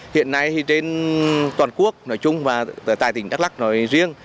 hiện nay thì trên toàn quốc nói chung và tại tỉnh đắk lắc nói riêng